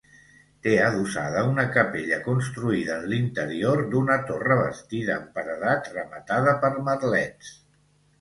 Té adossada una capella construïda en l'interior d'una torre bastida en paredat, rematada per merlets.